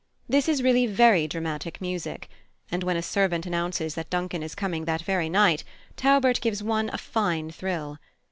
This is really very dramatic music; and when a servant announces that Duncan is coming that very night, Taubert gives one a fine thrill.